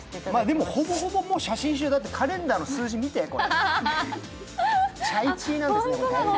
でも、ほぼほぼ写真集、カレンダーの数字見てチャイチーなんですね。